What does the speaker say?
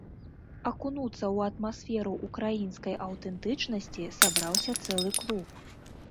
Акунуцца ў атмасферу ўкраінскай аўтэнтычнасці сабраўся цэлы клуб.